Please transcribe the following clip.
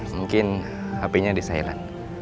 mungkin hp nya disailan